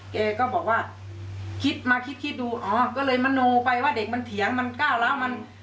แกก็บอกว่าคิดมาคิดคิดดูอ๋อก็เลยมโนไปว่าเด็กมันเถียงมันก้าวร้าวมัน